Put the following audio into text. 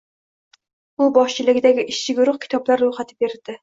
U boshchiligidagi ishchi guruh kitoblar ro‘yxati berdi.